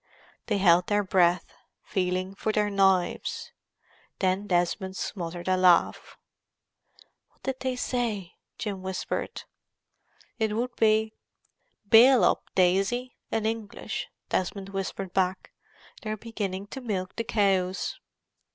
They held their breath, feeling for their knives. Then Desmond smothered a laugh. "What did they say?" Jim whispered. "It would be 'Bail up, Daisy!' in English," Desmond whispered back. "They're beginning to milk the cows."